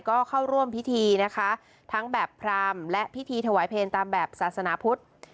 ก็เข้าร่วมพิธีนะคะทั้งแบบพรามและพิธีถวายเพลงตามแบบศาสนาพุทธ